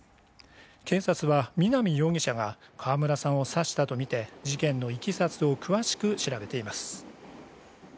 警察は南容疑者が川村さんを刺したとみて事件のいきさつを詳しく調べています。